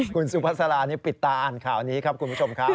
คุณสุภาษาลาปิดตาอ่านข่าวนี้ครับคุณผู้ชมครับ